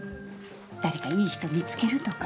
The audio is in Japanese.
誰かいい人見つけるとか。